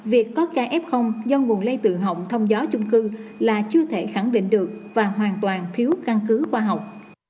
việc có ca f do nguồn lây tự hỏng thông gió chung cư là chưa thể khẳng định được và hoàn toàn thiếu căn cứ khoa học